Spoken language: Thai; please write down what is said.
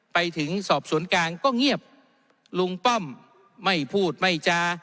ไปถึงสอบสวนกลางก็เงียบลุงป้อมไม่พูดไม่จา